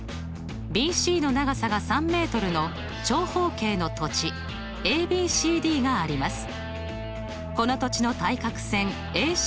ＢＣの長さが３ｍの長方形の土地ＡＢＣＤがあります。